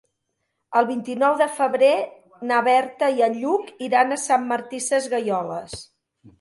El vint-i-nou de febrer na Berta i en Lluc iran a Sant Martí Sesgueioles.